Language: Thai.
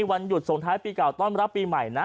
วันหยุดส่งท้ายปีเก่าต้อนรับปีใหม่นะ